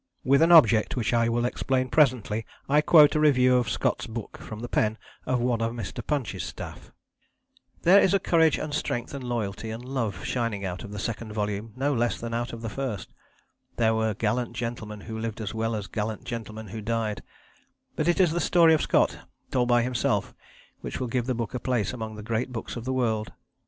With an object which I will explain presently I quote a review of Scott's book from the pen of one of Mr. Punch's staff: "There is courage and strength and loyalty and love shining out of the second volume no less than out of the first; there were gallant gentlemen who lived as well as gallant gentlemen who died; but it is the story of Scott, told by himself, which will give the book a place among the great books of the world.